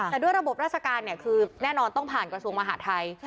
แต่ด้วยระบบราชการคือแน่นอนต้องผ่านกระทรวงมหาทัย